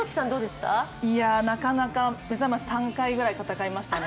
なかなか、目覚まし３回ぐらい戦いましたね。